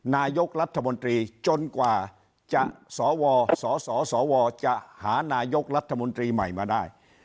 นายกรัฐมนตรีจนกว่าจะสวสสสวจะหานายกรัฐมนตรีใหม่มาได้